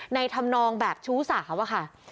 ธรรมนองแบบชู้สาวอะค่ะ